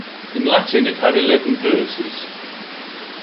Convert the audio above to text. In Latin, it had eleven verses.